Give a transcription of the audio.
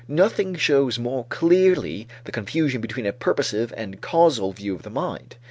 Nothing shows more clearly the confusion between a purposive and causal view of the mind.